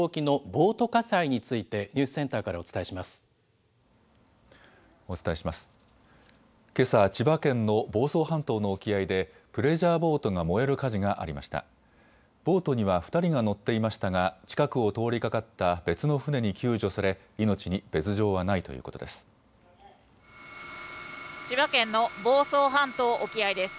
ボートには２人が乗っていましたが、近くを通りかかった別の船に救助され、命に別状はないということです。